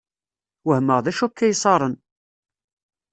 Wehmeɣ d-acu akka iṣaṛen!